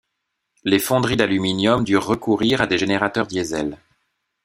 Les fonderies d'aluminium durent recourir à des générateurs diesel.